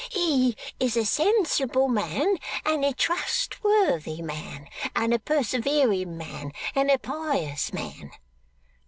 He is a sensible man, and a trustworthy man, and a persevering man, and a pious man."